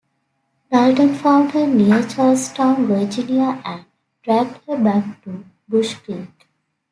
Dalton found her near Charlestown, Virginia and dragged her back to Bush Creek.